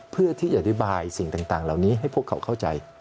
เพื่อที่อธิบายสิ่งต่างเหล่านี้ให้พวกเขาเข้าใจ